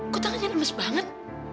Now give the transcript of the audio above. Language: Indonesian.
kok tangannya lemes banget